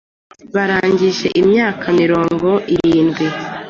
barengeje imyaka mirongo irindwi